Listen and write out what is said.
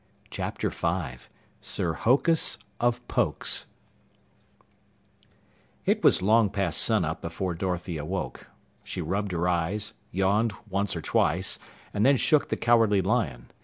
CHAPTER 5 SIR HOKUS OF POKES It was long past sunup before Dorothy awoke. She rubbed her eyes, yawned once or twice, and then shook the Cowardly Lion.